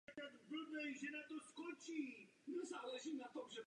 Obyvatelstvo mošavu Dvora je sekulární.